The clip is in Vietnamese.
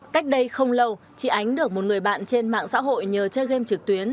cách đây không lâu chị ánh được một người bạn trên mạng xã hội nhờ chơi game trực tuyến